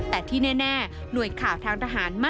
แต่ที่แน่หน่วยข่าวทางทหารมั่นใจว่า